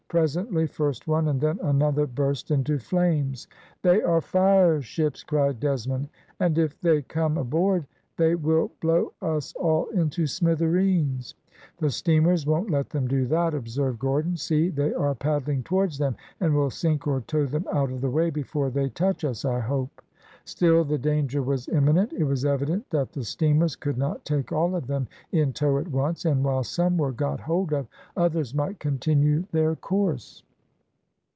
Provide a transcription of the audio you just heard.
Presently, first one, and then another, burst into flames. "They are fireships!" cried Desmond, "and if they come aboard they will blow us all into smithereens." "The steamers won't let them do that," observed Gordon; "see, they are paddling towards them, and will sink or tow them out of the way before they touch us, I hope." Still the danger was imminent. It was evident that the steamers could not take all of them in tow at once, and while some were got hold of, others might continue their course.